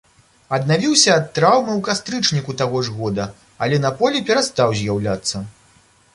Аднавіўся ад траўмы ў кастрычніку таго ж года, але на полі перастаў з'яўляцца.